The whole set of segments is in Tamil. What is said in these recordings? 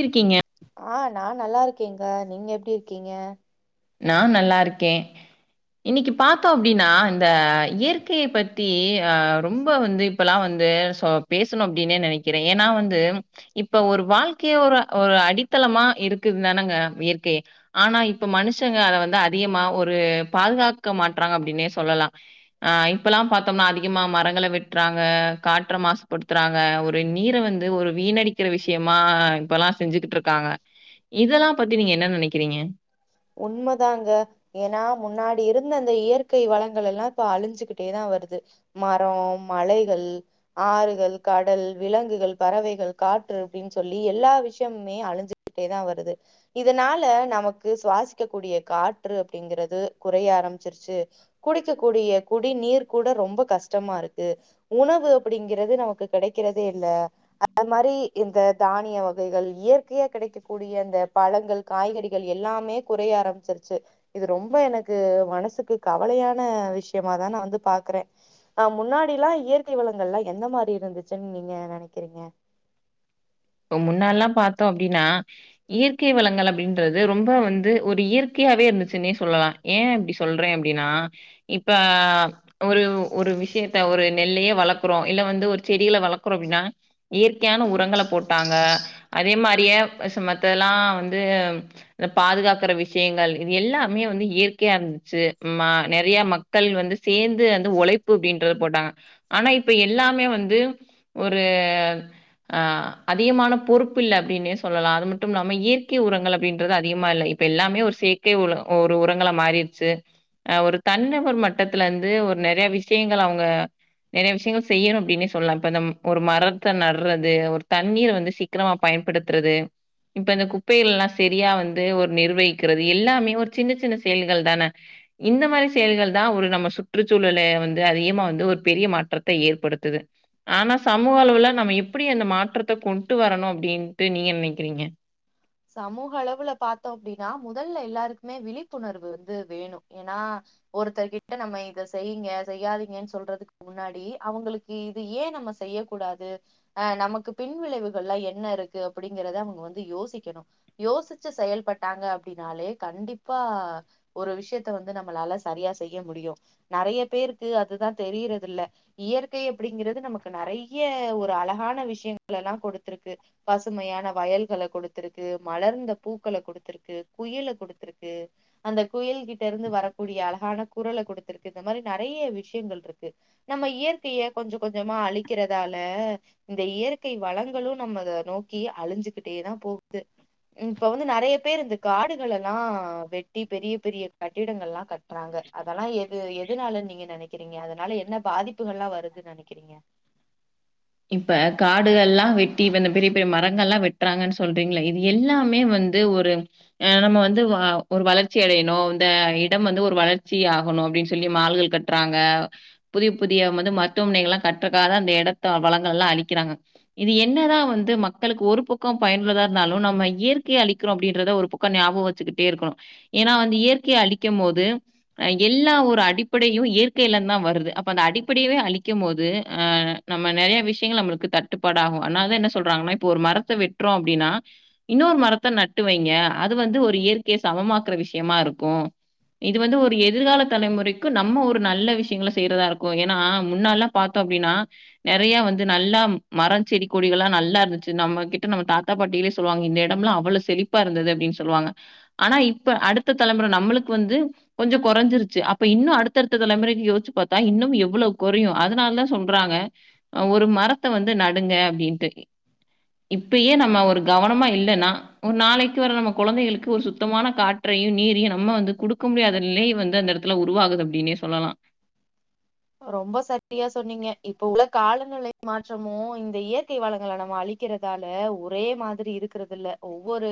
இருக்கீங்க ஆ நா நல்லா இருக்கேங்க நீங்க எப்டி இருக்கீங்க நா நல்லா இருக்கே இன்னைக்கு பாத்தோ அப்டின்னா இந்த இயற்கைய பத்தி ஆ ரொம்ப வந்து இப்பலா‌ வந்து சோ பேசணு அப்டின்னே நெனைக்கிறே ஏனா வந்து இப்ப ஒரு வாழ்க்கைய ஒரு ஒரு அடித்தளமா இருக்குதுதானங்க இயற்கை ஆனா இப்ப மனுஷங்க அத வந்து அதிகமா ஒரு பாதுகாக்க மாட்ராங்க அப்டின்னே சொல்லலா ஆ இப்பலா பாத்தோம்னா அதிகமா மரங்கள வெட்றாங்க காற்ற மாசுபடுத்துறாங்க ஒ ரு நீர வந்து ஒரு வீணடிக்கிற விஷயமா இப்பலா செஞ்சுகிட்ருக்காங்க இதல்லா பத்தி நீங்க என்ன நனைக்கிறீங்க உண்ம தாங்க ஏனா முன்னாடி இருந்த அந்த இயற்கை வளங்கள்ல்லா இப்ப அழிஞ்சுகிட்டே தா வருது மரோ மலைகள் ஆறுகள் கடல் விலங்குகள் பறவைகள் காற்று அப்டின் சொல்லி எல்லா விஷயமுமே அழிஞ்சு ட்டே தா வருது இதனால நமக் கு சுவாசிக்க கூடிய காற்று அப்டிங்கறது குறைய ஆரம்பிச்சிருச்சு குடிக்க கூடிய குடி நீர் கூட ரொம்ப கஷ்டமா இருக்கு உணவு அப்டிங்கிறது நமக்கு கெடைக்கிறதே இல்ல அந்த மாரி இந்த தானிய வகைகள் இயற்கையா கடைக்ககூடிய அந்த பழங்கள் காய்கறிகள் எல்லாமே குறைய ஆரம்பிச்சிருச்சு இது ரொம்ப எனக்கு மனசுக்கு கவலையான விஷயமாதா நா வந்து பாக்குற ஆ முன்னாடில்லா இயற்கை வளங்கள்லா எந்த மாரி இருந்துச்சுன்னு நீங்க நனைக்கிறீங்க இப்ப முன்னாலா பாத்தோ அப்டின்னா இயற்கை வளங்கள் அப்டின்றது ரொம்ப வந்து ஒரு இயற்கையாவே இருந்துச்சுன்னே சொல்லலா ஏ அப்டி சொல்ற அப்டின்னா இப்ப ஒரு ஒரு விஷியத்த ஒரு நெல்லையே வளக்குறோ இல்ல வந்து ஒரு செடிள வளக்குறோ அப்டின்னா இயற்கையான உரங்கள போட்டாங்க அதே மாரியே மத்ததெல்லா வந்து இந்த பாதுகாக்கற விஷயங்கள் இது எல்லாமே வந்து இயற்கையா இருந்துச்சு ம் மா நெறையா மக் கள் வந்து சேந்து அந்த உழைப்பு அப்டின்றத போட்டாங்க ஆனா இப்ப எல்லாமே வந்து ஒரு ஆ அதிகமான பொறுப்பு இல்ல அப்டின்னே சொல்லலா அது மட்டும் இல்லாம இயற்கை உரங்கள் அப்டின்றது அதிகமா இல்ல இப்ப எல்லாமே ஒரு சே கே உல ஒரு உரங்களா மாறிருச்சு அ ஒரு தன் நபர் மட்டத்துல இருந்து ஒரு நெறைய விஷயங்கள அவுங்க நெறைய விஷயங்கள் செய்யணு அப்டின்னே சொல்லலா இப்ப இந்த ம் ஒரு மரத்த நடுறது ஒரு தண்ணீர வந்து சீக்கிரமா பயன்படுத்துறது இப்ப இந்த குப்பைகள் எல்லா சரியா வந்து ஒரு நிர்வகிக்கிறது எல்லாமே ஒரு சின்ன சின்ன செயல்கள் தானே இந்த மாதிரி செயல்கள் தா ஒரு நம்ம சுற்றுச்சூழல வந்து அதிகமா வந்து ஒரு பெரிய மாற்றத்த ஏற்படுத்துது ஆனா சமூக அளவுல நம்ம எப்டி அந்த மாற்றத்த கொண்ட்டு வரணு அப்டின்ட்டு நீங்க நெனைக்கிறீங்க சமூக அளவுல பாத்தோம் அப்டின்னா முதல்ல எல்லாருக்குமே விழிப்புணர்வு வந்து வேணு ஏனா ஒருத்தர் கிட்ட நம்ம இத செய்யுங்க செய்யாதீங்கன்னு சொல்றதுக்கு முன்னாடி அவுங்களுக்கு இது ஏ நம்ம செய்ய கூடாது அ நமக்கு பின் விளைவுகள்லா என்ன இருக்கு அப்பிடிங்கறத அவுங்க வந்து யோசி க்கணு யோசுச்சு செயல்பட்டாங்க அப்டினாலே கண்டிப்பா ஒரு விஷயத்த வந்து நம்மளால சரியா செய்ய முடியு நெறைய பேருக்கு அதுதா தெரியிறது இல்ல இயற்கை அப்படிங்கிறது நமக்கு நெறைய ஒரு அழகான விஷயங்கள எல்லா கொடுத்துருக்கு பசுமையான வயல்கள கொடுத் த்துருக்கு மலர்ந்த பூக்கள கொடுத்துருக்கு குயில கொடுத்துருக்கு அந்த குயில்கிட்ட இருந்து வரக்கூடிய அழகான குரல கொடுத்திருக்கு இந்த மாரி நெறைய விஷயங்கள் இருக்கு நம்ம இயற்கைய கொஞ்ச கொஞ்சமா அழிக்கிறதால இந்த இயற்கை வளங்களு நம்ம அத நோக்கி அழிஞ்சுகிட்டேதா போகுது இப்ப வந்து நெறைய பேர் இந்த காடுகள எல்லா வெட்டி பெரிய பெரிய கட்டிடங்கள்லா கட்றாங்க அதெல்லா எது எதுனாலனு நீங்க நெனைக்கிறீங்க அதனால என்ன பாதிப்புகள் எல்லா வருதுன்னு நெனைக்கிறீங்க இப்ப காடுகள்லா வெட்டி இப்ப இந்த பெரிய பெரிய மரங்கள்லா வெட்டுறாங்கன்னு சொல்றீங்கள இது எல்லாமே வந் து ஒரு அ நம்ம வந்து வ ஒரு வளர்ச்சி அடையணு இந்த இடம் வந்து ஒரு வளர்ச்சி ஆகணு அப்டின்னு சொல்லி மால்கள் கட் ட்றாங்க புதிய புதிய வந்து மருத்துவமனைகள் எல்லா கட்றக்காக அந்த எடத்த வளங்கள் எல்லா அழிக்கிறாங்க இது என்னதா வந்து மக்களுக்கு ஒரு பக்கோ பயனுள்ளதா இருந்தாலு நம்ம இயற்கை அளிக்கிறோ அப்டின்றத ஒரு ப க்கோ ஞாபக வச்சுக்கிட்டே இருக்கணு ஏனா வந்து இயற்கைய அழிக்கம் போது அ எல்லா ஒரு அடிப்படையு இயற்கையிலந்தா வருது அப்ப அந்த அடிப்படையவே அழிக்கும் போது ஆ நம்ம நெறைய விஷயங்கள் நம்மளுக்கு தட்டுப்பாடு ஆகு அதனாலதா என்ன சொல்றாங்கன்னா இப்போ ஒரு மரத்த வெட்றோ அப்டின்னா இன்னொரு மரத்த நட்டு வைங்க அது வந்து ஒரு இயற்கையை சமமாக்குற விஷயமா இருக்கு இது வந்து ஒரு எதிர்கால தலைமுறைக்கு நம்ம ஒரு நல்ல விஷயங்கள செய்றதா இருக்கு ஏனா முன்னாலா பாத்தோ அப்டின்னா நெறைய வந்து நல்லா மர செடி கொடிகளா நல்லா இருந்துச்சு நம்ம கிட்ட நம்ம தாத்தா பாட்டிகளே சொல்லுவாங்க இந்த இடம்லா அவ்ளோ ஸ் செளிப்பா இருந்தது அப்டின்னு சொல்லுவாங்க ஆனா இப்ப அடுத்த தலைமுறை நம்மளுக்கு வந்து கொஞ்ச கொறஞ்சிருச்சு அப்ப இன்னு அடுத்தடுத்த தலைமுறைக்கு யோசிச்சு பாத்தா இன்னு எவ்வளோ குறையு அதுனால சொல்றாங்க அ ஒரு மரத்த வந்து நடுங்க அப்டின்ட்டு இப்பயே நம்ம ஒரு கவனமா இல்லனா ஒரு நாளைக்கு வர நம்ம கொழந்தைகளுக்கு ஒரு சுத்தமான காற்றையு நீரையு நம்ம வந்து குடுக்க முடியாதலயே வந்து அந்த ல உருவாகுது அப்டின்னே சொல்லலா ரொம்ப சரியா சொன்னீங்க இப்ப உள்ள காலநிலை மாற்றமு இந்த இயற்கை வளங்கள நம்ம அழி ருக்கிறதால ஒரே மாதிரி இருக்கறது இல்ல ஒவ்வொரு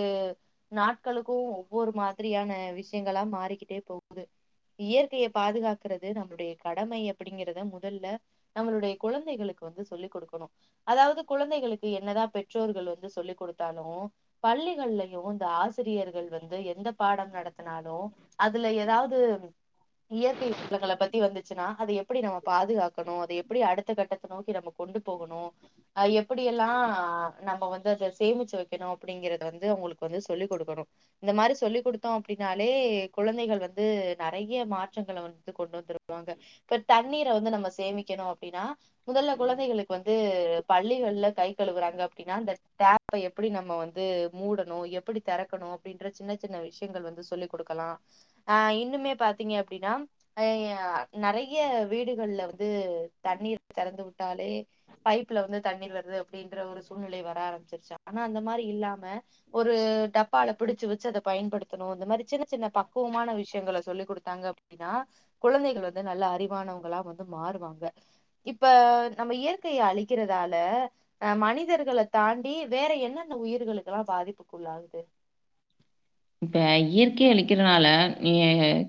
நாட்களுக்கு ஒவ்வொரு மாதிரியான விஷயங்களா மாறிக்கிட்டே போகுது இயற்கையை பாதுகாக்கறது நம்மளுடைய கடமையப் அப்படிங்கறத முதல்ல நம்மளுடைய குழந்தைகளுக்கு வந்து சொல்லிக் கொடுக்கணு அதாவுது குழந்தைகளுக்கு என்னதா பெற்றோர்கள் வந்து சொல்லிக் கொடுத்தாலு பள்ளிகள்லயு இந்த ஆசிரியர்கள் வந்து எந்த பாடம் நடத்தினாலு அதுல ஏதாவது இயற்கை விலங்கள பத்தி வந்துச்சுன்னா அது எப் புடி நம்ம பாதுகாக்கணு அத எப்புடி அடுத்த கட்டத்த நோக்கி நம்ம கொண்டு போகணு அ எப்படியெல்லா நம்ம வந்து அத சேமிச்சு வைக்கணு அப்படிங்கறத வந்து அவுங்களுக்கு வந்து சொல்லிக் கொடுக்கணு இந்த மாரி சொல்லி கொடுத்தோ அப்டின்னாலே குழந்தைக வந்து நெறைய மாற்றங்கள வந்து கொண்டு வந்துரு ருவாங்க பட் தண்ணீர வந்து நம்ம சேமிக்கணு அப்டின்னா முதல்ல குழந்தைகளுக்கு வந்து பள்ளிகள்ல கை கழுகுறாங்க அப்டின்னா அந்த டேப் ப்ப எப்புடி நம்ம வந்து மூடணு எப்புடி தெறக்கணு அப்படின்ற சின்ன சின்ன விஷயங்கள் வந்து சொல்லிக் கொடுக்கலா ஆ இன்னுமே பாத்தீங்க அப்டின்னா அ நெறை ஏ வீடுகள்ல வந்து தண்ணீர் தெறந்து வுட்டாலே பைப்ல வந்து தண்ணீர் வருது அப்டின்ற ஒரு சூழ்நிலை வர ஆரம்பிச்சிருச்சா ஆனா அந்த மாரி இல்லாம ஒரு டப்பால புடிச்சு வச்சு அத பயன்படுத்தணு இந்த மாரி சின்ன சின்ன பக்குவமான விஷயங்கள சொல்லி கொடுத்தாங்க அப்டினா குழந்தைகள் வந்து நல்ல அறிவானவங்களா வந்து மாறுவாங்க இப்ப நம்ம இயற்கைய அழிக்கிறதால ஆ மனிதர்களை தாண்டி வேற என்னென்ன உயிர்களுக்கெலா பாதிப்புக்குள்ளாவுது இப்ப இயற்கை அளிக்கிறனால நீங்க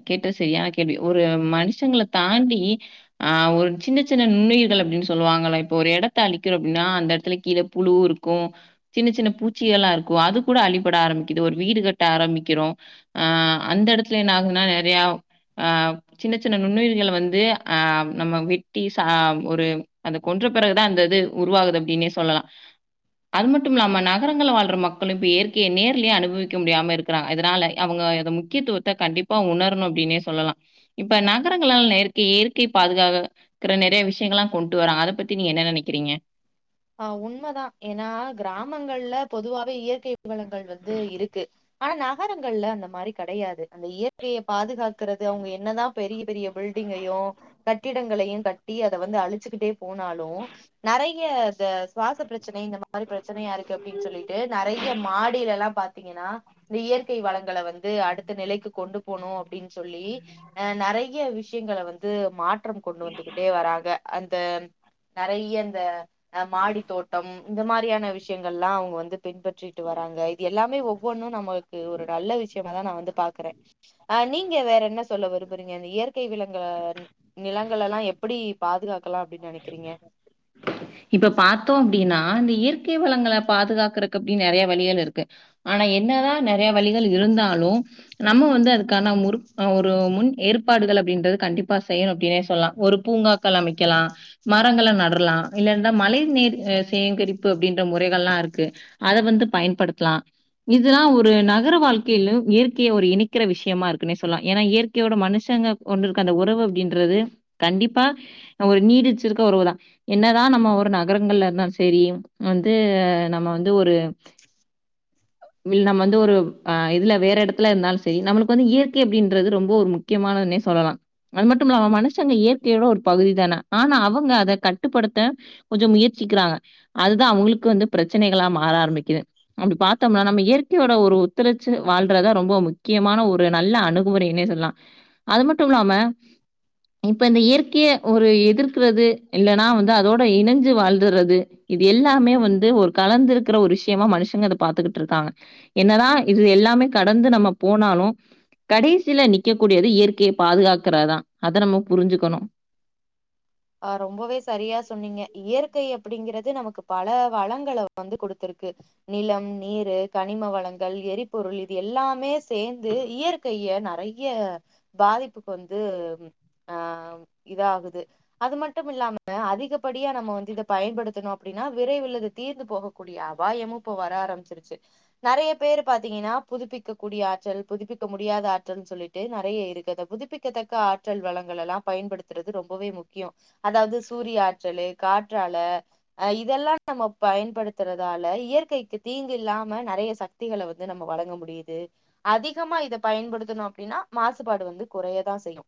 கேட்ட செரியானா கேள்வி ஒரு மனுஷங்கள தாண்டி ஆ ஒரு சின்ன சின்ன நுண்ணுயிர்கள் அப்டின்னு சொல்லுவாங்கள இப்ப ஒரு எடத்த அழிக்கிறும் அப்டின்னா அந்த எடத்துல கீழ புழு இருக் க்கு சின்ன சின்ன பூச்சிகள்ல்லா இருக்கு அது கூட அழிபட ஆரம்பிக்குது ஒரு வீடு கட்ட ஆரம்பிக்கிறோ ஆ அந்த இடத்துலயே என்ன ஆகுன்னா நெறைய ஆ சின்ன சின்ன நுண்ணுயிர்களை வந்து ஆ நம்ம வெட்டி ச ஒரு அது கொன்ற பிறகுதா அந்த இது உருவாகுது அப்டினே சொல்லலா அது மட்டும் இல்லாம நகரங்கள வாழ்ற மக்களு இப்ப இயற்கைய நேர்லயே அனுபவிக் முடியாம இருக்கறாங்க இதனால அவுங்க அத முக்கியத்துவத்த கண்டிப்பா உணர்ணு அப்டின்னே சொல்லலா இப்ப நகரங்களால் நேற்கை இயற்கை பாதுகாக இருக்ற நெறைய விஷயங்கள்ல்லா கொண்டு வராங்க அத பத்தி நீங்க என்ன நினைக்கிறீங்க ஆ உண்மதா ஏன்னா கிராமங்கள்ல பொதுவாவே இயற்கை வழங்கள் வந்து இருக்கு ஆனா நகரங்கள்ல அந்த மாரி கெடயாது அந்த இயற்கைய பாதுகாக்கறது அவுங்க என்னதா பெரிய பெரிய பில்டிங்கையு கட்டிடங்களையு கட்டி அத வந்து அழிச்சுக்கிட்டே போனாலு நெறைய சே ஸ் சுவாச பிரச்சனை இந்த மாரி பிரச்சனையா இருக்கு அப்டின்னு சொல்லிட்டு நெறைய மாடியில ல்லா பாத்தீங்கன்னா இந்த இயற்கை வளங்கள வந்து அடுத்த நிலைக்கு கொண்டு போனு அப்டின்னு சொல்லி ஆ நெறைய விஷயங்கள வந்து மாற்றம் கொண்டு வந்துகிட்டே வராங்க அந்த நெறைய இந்த மாடி தோட்டம் இந்த மாரியான விஷ் ங்கள்லா அவுங்க வந்து பின்பற்றிட்டு வராங்க இது எல்லாமே ஒவ்வொன்னு நம்ம ஒரு நல்ல விஷயமா தா நா வந்து பாக்குறே ஆ நீங்க வேற என்ன சொல்ல விரும்புறீங்க இந்த இயற்கை விலங்கள நிலங்கள் எல்லா எப்புடி பாதுகாக்கலா அப்டின்னு நினைக்கிறீங்க இப்ப பாத்தோ அப்டின்னா இந்த இயற்கை வளங்கள பாதுகாக்கறக்கு அப்டின்னு நெறைய வழிகள் இருக்கு ஆனா என்னதா நெறைய வழிகள் இருந்தாலு நம்ம வந்து அதுக்கான முருக் முன் ஏற்பாடுகள் அப்டின்றது கண்டிப்பா செய்யணு அப்டினே சொல்லலா ஒரு பூங்கா அமைக்கலா மரங்கள நடலா இல்ல இந்த மழை நீர் சேகரிப்பு அப்டின்ற முறைகள்ல்லாருக்கு அத வந்து பயன்படுத்தலா இதுல்லான் ஒரு நகர வாழ்க்கைல இயற்கைய ஒரு இணைக்கிற விஷயமா இருக்குன்னே சொல்லலா ஏன்னா இயற்கை யோட மனுஷங்க கொண்டிருக்க அந்த உறவு அப்டின்றது கண்டிப்பா ஒரு நீடிச்சிருக்க உறவுதா என்னதா நம்ம ஒரு நகரங்கள்ல இருந்தா சேரி வந்து நம்ம வந்து ஒரு இ நம்ம வந்து ஒரு ஆ இதுல வேற இடத்துல இருந்தாலு சேரி நம்மளுக்கு வந்து இயற்கை அப்டின்றது ரொம்ப ஒரு முக்கியமானதுனே சொல்லலா அது மட்டுமில்லாம மனுஷங்க இயற்கையோட ஒரு பகுதி தான ஆனா அவுங்க அத க ட்டுப்படுத்த கொஞ்சோ முயற்சிக்கிறாங்க அதுதா அவுங்களுக்கு வந்து பிரச்சனைகளா மாற ஆரம்பிக்குது அப்டி பாத்தோம்னா நம்ம இயற்கையோட ஒரு ஒத்துழைச்சு வாழ்றதா ரொம்ப முக்கியமான ஒரு நல்ல அணு குமுறைனே சொல்லலா அது மட்டுமில்லாம இப்ப இந்த இயற்கைய ஒரு எதிர்க்கிறது இல்லன்னா வந்து அதோட இனைஞ்சு வாழ்றது இது எல்லாமே வந்து ஒரு காலந்துல இருக்கிற ஒரு விஷயமா மனுஷங்க அத பாத்துக்கிட்ருக்காங்க என்னதா இது எல்லாமே கடந்து நம்ம போனாலு கடைசில நிக்க கூடியது இயற்கைய பாதுகாக்கற தா அத நம்ம புரிஞ்சுக்கணு ஆ ரொம்பவே சரியா சொன்னீங்க இயற்கை அப்டிங்கிறது நமக்கு பல வளங்கள வந்து குடுத்துருக்கு நிலம் நீரு கனிம வளங்கள் எரிபொருள் இது எல்லாமே சேர்ந்து இயற்கைய நறை ய பாதிப்புக்கு வந்து ஆ இதாகுது அது மட்டுமில்லாம அதிகப்படியா நம்ம வந்து இத பயன்படுத்துனோ அப்டின்னா விரைவில இது தீர்ந்து போகு கூடிய அபாயமு இப்ப வர ஆரம்பிச்சிருச்சு நறைய பேரு பாத்தீங்கன்னா புதுப்பிக்க கூடிய ஆற்றல் புதுப்பிக்க முடியாத ஆற்றல்னு சொல்லிட் டு நறைய இருக்கு இந்த புதுப்பிக்கத்தக்க ஆற்றல் வளங்களல்லா பயன்படுத்துறது ரொம்பவே முக் கியோ அதாவது சூரிய ஆற்றலு காற்றால அ இதெல்லா நம்ம பயன்படுத்துறதால இயற்கைக்கு தீங்கு இல்லாம நறைய சக் திகள வந்து நம்ம வழங்க முடியுது அதிகமா இத பயன்படுத்துனோ அப்டின்னா மாசுபாடு வந்து குறையதா செய்யு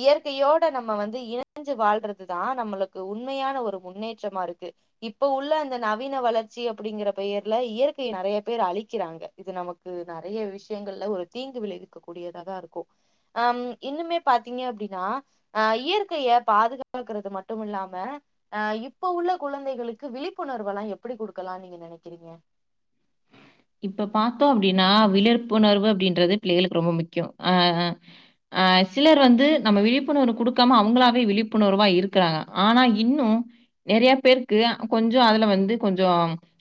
இயற்கையோட நம்ம வந்து இயற் புரிஞ்சு வாழ்றதுதா நம்ளுக்கு உண்மையான ஒரு முன்னேற்றமாருக்கு இப்ப உள்ள அந்த நவீன வளர்ச்சி அப்டிங்கிற பெயர்ல இயற்கைய நறைய பேர் அழிக்கிறாங்க இது நமக் கு நறைய விஷயங்கள்ல ஒரு தீங்கு விளைவிக்க கூடியதா தா இருக்கு அம் இன்னுமே பாத்தீங்க அப்டின்னா அ இயற்கைய பாதுகாக்கறது மட்டுமில்லாம அ இப்ப உள்ள குழந்தைகளுக்கு விழிப்புணர்வுல்லா எப்டி குடுக்கலாம்னு நீங்க நெனைக்கிறீங்க இப்ப பாத்தோம் அப்டின்னா விழ்ப்புணர்வு அப்டின்றது பிள்ளைகளுக்கு ரொம்ப முக்கியோ ஆ ஆ சிலர் வந்து நம்ம விழிப்புணர்வு குடுக்காம அவுங்களாவே விழிப்புணர்வா இருக்கிறாங்க ஆனா இன்னு நறைய பேருக்கு கொஞ்சோ அதுல வந்து கொஞ்சோ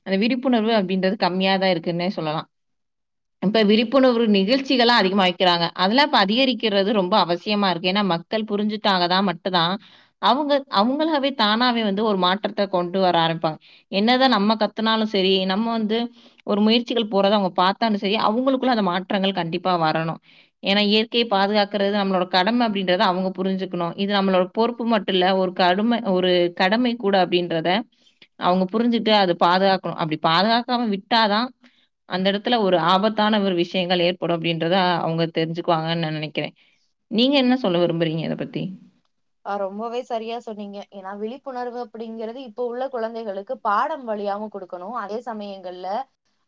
அந்த விழிப்புணர்வு அப்டின்றது கம்மியா தா இருக் குன்னே சொல்லலா இப்ப விழிப்புணர்வு நிகழ்ச்சிகல்லா அதிகமா வைக்கிறாங்க அதெல்லா இப்ப அதிகரிக்கிறது ரொம்ப அவசியமா இருக்கு ஏன்னா மக் கள் புரிஞ்சுட்டாக தா மட்டு தா அவுங்க அவுங்களாவே தானாவே வந்து ஒரு மாற்றத்த கொண்டு வர ஆரம்ப்பிப்பாங்க என்னதா நம்ம கத்துனாலு செரி நம்ம வந்து ஒரு முயற்சிகள் போறத அவங்க பாத்தாலு செரி அவங்களுக்குள்ள அந்த மாற்றங்கள் கண்டிப்பா வரணு ஏன்னா இயற்கைய பாதுகாக்கறது நம்மளோட கடம அப்டின்றத அவங்க புரிஞ்சுக்கணு இது நம்மளோ பொறுப்பு மட்டு இல்ல ஒரு கடும ஒரு கடமை கூட அப்படின்றத அவுங்க புரிஞ்சுட்டு அத பாதுகாக்கணு அப்டி பாதுகாக்காம விட்டாதா அந்த எடத்துல ஒரு ஆபத்தான ஒரு விஷயங்கள் ஏற்படும அப்டின்றத அவங்க தெரிஞ்சுக்குவாங்கன் நா நெனைக்கிற நீங்க என்ன சொல்ல விரும்புறீங்க இத பத்தி ஆ ரொம்பவே சரியா சொன்னீங்க ஏன்னா விழிப்புணர்வு அப்டிங்கிறது இப்ப உள்ள கொழந்தைகளுக்கு பாடம் வழியாவு குடுக்கணு அதே சமயங்கள்ல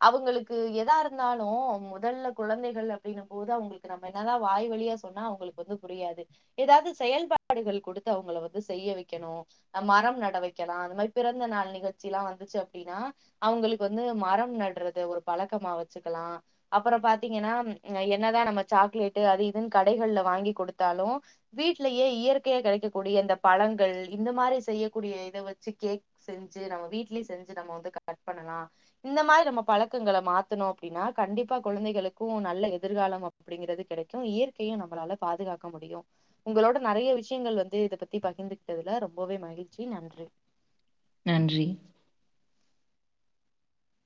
அவங்களுக்கு எதா இருந்தாலு முதல்ல குழந்தைகள் அப்டின்னு போது அவுங்களுக் கு நம்ம என்ன தா வாய் வழியா சொன்னா அவங்களுக்கு வந்து புரியாது ஏதாவது செயல்பா டுகள் குடுத்து அவங்கள வந்து செய்ய வெக்கணு மரம் நட வெக்கலா அந்த மாரி பிறந்த நாள் நிகழ்ச்சில்லா வந்துச்சு அப்டின்னா அவுங்களுக்கு வந்து மரம் நட்றது ஒரு பழக்கமா வச்சுக்கலா அப்பறம் பாத்தீங்கன்னா என்னதா நம்ம சாக்லேட்டு அது இதுன்னு கடைகள்ல வாங்கி குடுத்தாலு வீட்லயே இயற்கையா கிடைக்க கூடிய இந்த பழங்கள் இந்த மாரி செய்யக்கூடிய இத வச்சு கேக் செஞ்சு நம்ம வீட்லயு செஞ்சு நம்ம வந்து கட் பண்ணலா இந்த மாரி நம்ம பழக்கங்கள மாத்தணோ அப்டின்னா கண்டிப்பா குழந்தைகளுக்கு நல்ல எதிர்காலம் அப்டிங்கிறது கெடைக்கு இயற்கையு நம்பளால பாதுகாக்க முடியு உங்களோட நெறைய வி ஷயங்கள் வந்து இத பத்தி பகிர்ந்துக்கிட்டதுல ரொம்பவே மகிழ்ச்சி நன்றி நன்றி